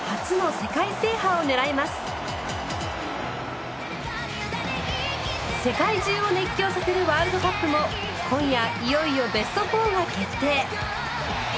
世界中を熱狂させるワールドカップも今夜いよいよベスト４が決定。